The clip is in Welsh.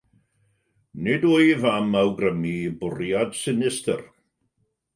Nid wyf am awgrymu bwriad sinistr.